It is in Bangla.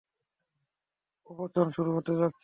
প্রবোচন শুরু হতে যাচ্ছে।